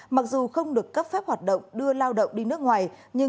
mặc dù không được cấp phép hoạt động đưa lao động đi nước ngoài nhưng